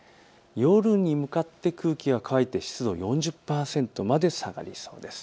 夜に向かって空気が乾いて湿度、４０％まで下がりそうです。